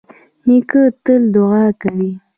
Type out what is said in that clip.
نیکه تل دعا کوي.